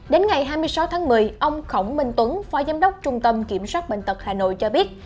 đến ngày hai mươi sáu tháng một mươi ông khổng minh tuấn phó giám đốc trung tâm kiểm soát bệnh tật hà nội cho biết